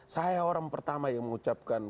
saya orang pertama yang mengucapkan